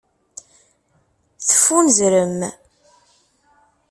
Teffunzrem.